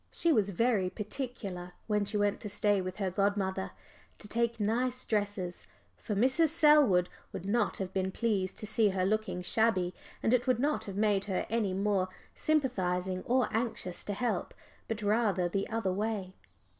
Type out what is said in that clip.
She was very particular when she went to stay with her godmother to take nice dresses, for Mrs. Selwood would not have been pleased to see her looking shabby, and it would not have made her any more sympathising or anxious to help, but rather the other way.